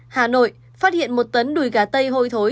hà nội phát hiện một tấn đùi gà tây hôi thối